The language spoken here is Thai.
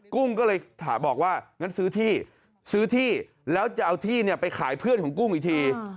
กุ้งก็เลยบอกว่างั้นซื้อที่ซื้อที่แล้วจะเอาที่ไปขายเพื่อนของกุ้งอีกที